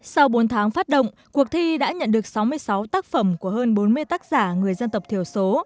sau bốn tháng phát động cuộc thi đã nhận được sáu mươi sáu tác phẩm của hơn bốn mươi tác giả người dân tộc thiểu số